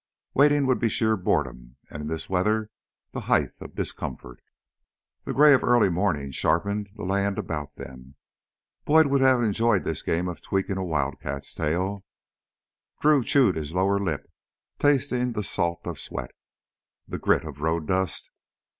Waiting would be sheer boredom and in this weather the height of discomfort. The gray of early morning sharpened the land about them. Boyd would have enjoyed this game of tweaking a wildcat's tail. Drew chewed his lower lip, tasting the salt of sweat, the grit of road dust.